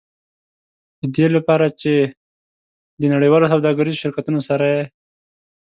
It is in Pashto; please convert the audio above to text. د دې لپاره چې د نړیوالو سوداګریزو شرکتونو سره یې.